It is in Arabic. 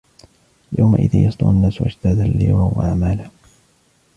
يومئذ يصدر الناس أشتاتا ليروا أعمالهم